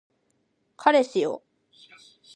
彼氏よ